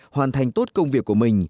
hoàn thành tốt công việc của mình